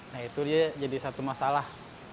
nah itu dia jadi satu masalah